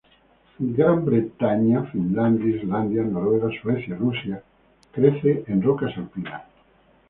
En Gran Bretaña, Finlandia, Islandia, Noruega, Suecia y Rusia.Crece en rocas alpinas.